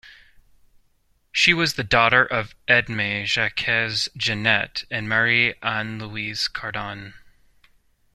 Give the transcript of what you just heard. She was the daughter of Edme-Jacques Genet and Marie-Anne-Louise Cardon.